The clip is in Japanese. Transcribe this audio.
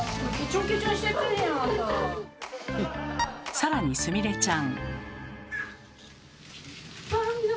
さらにすみれちゃん。